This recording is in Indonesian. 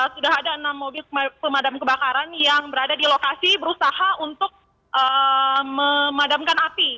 sudah ada enam mobil pemadam kebakaran yang berada di lokasi berusaha untuk memadamkan api